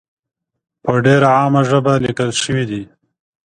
په ډېره عامه ژبه لیکل شوې دي.